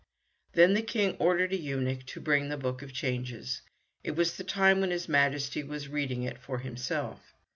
Then the King ordered a eunuch to bring the Book of Changes. It was the time when his Majesty was reading it for himself.